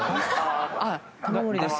あっ玉森です。